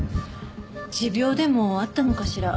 持病でもあったのかしら？